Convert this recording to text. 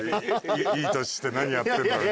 いい年して何やってるんだろう。